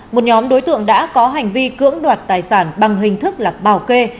một nhóm đối tượng đã có hành vi cưỡng đoạt tài sản bằng hình thức lạc bào kê